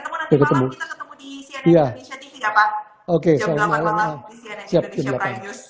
sampai ketemu nanti malam kita ketemu di cnn indonesia tv ya pak